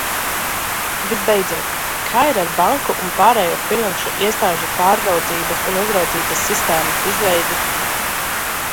Visbeidzot, kā ir ar banku un pārējo finanšu iestāžu pārraudzības un uzraudzības sistēmas izveidi?